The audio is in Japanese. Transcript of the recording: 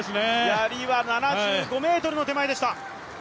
やりは７５ｍの手前でした。